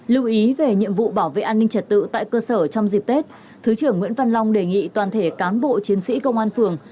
lưu ý về nhiệm vụ bảo vệ an ninh trật tự tại cơ sở trong dịp tết thứ trưởng nguyễn văn long đề nghị toàn thể cán bộ chiến sĩ công an phường